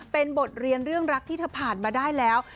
เป็นบทเรียนเรื่องรักที่เธอผ่านมาได้แล้ว